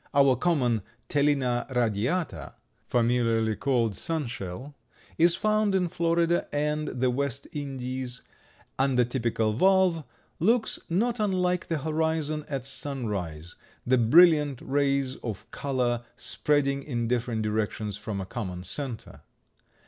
Our common Tellina radiata, familiarly called sunshell, is found in Florida and the West Indies, and a typical valve looks not unlike the horizon at sunrise, the brilliant rays of color spreading in different directions from a common center.